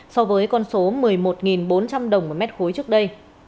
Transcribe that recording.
so với con số một mươi một bốn trăm linh đồng một mét khối trước đây